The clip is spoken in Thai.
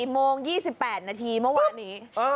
โมง๒๘นาทีเมื่อวานนี้